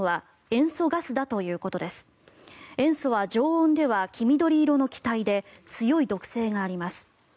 塩素は常温では黄緑色の気体で強い毒性があります。